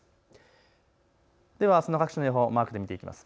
ではあすの各地の予報、マークで見ていきます。